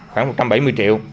khoảng một trăm bảy mươi triệu